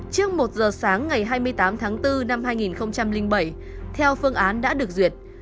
trước một giờ sáng ngày hai mươi tám tháng bốn năm hai nghìn bảy theo phương án đã được duyệt